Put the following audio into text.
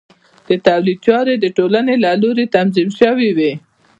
د تولید چارې د ټولنو له لوري تنظیم شوې وې.